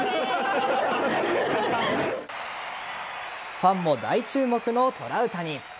ファンも大注目のトラウタニ。